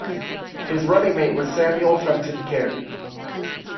His running mate was Samuel Fenton Cary.